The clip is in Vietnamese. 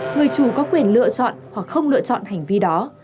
người chủ có quyền lựa chọn hoặc không lựa chọn hành vi đó